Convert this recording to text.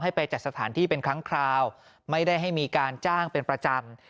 ไปจัดสถานที่เป็นครั้งคราวไม่ได้ให้มีการจ้างเป็นประจำ